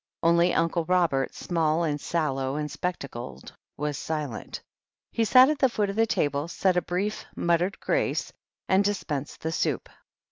Only Uncle Robert, small, and sallow, and spectacled, was silent. He sat at the foot of the table, said a brief, muttered grace, and dispensed the soup.